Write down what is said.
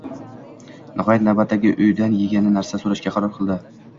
Nihoyat navbatdagi uydan yegani narsa soʻrashga qaror qildi